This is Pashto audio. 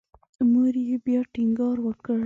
مور یې بیا ټینګار وکړ.